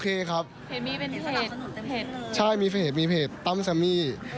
เฟนคลับสนุกเฟนคลับคอยด์